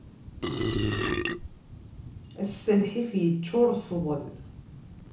Ass-a lḥif yeččur sḍel.